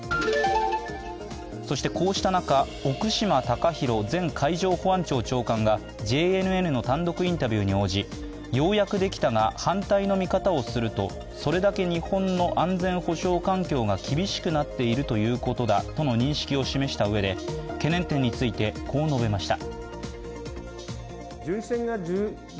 そしてこうした中、奥島高弘前海上保安庁長官がＪＮＮの単独インタビューに応じ、ようやくできたが、反対の見方をすると、それだけ日本の安全保障環境が厳しくなっているということだと認識を示したうえで、懸念点について、こう述べました。